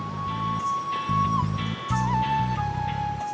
jasa pemindahan uang